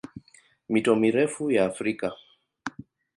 Mito mirefu ya Afrika